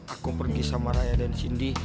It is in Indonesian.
aku pergi sama raya dan cindy